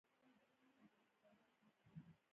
له يوې داسې بلا سره ځان ښکېل کړي.